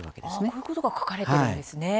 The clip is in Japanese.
こういうことが書かれているんですね。